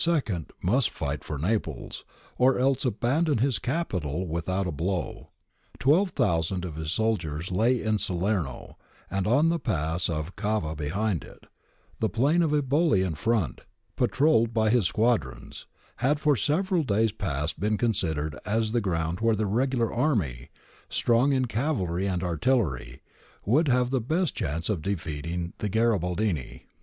must fight for Naples, or else abandon his capital without a blow. Twelve thousand of his soldiers lay in Salerno and on the pass of Cava behind it ; the plain of Eboli in front, patrolled by his squadrons, had for several days past been considered as the ground where the regular army, strong in cavalry and artillery, would have the best chance of defeating the Garibaldini.